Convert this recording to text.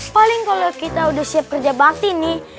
paling kalau kita udah siap kerja bakti nih